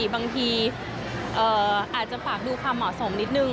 บางทีอาจจะฝากดูความเหมาะสมนิดนึง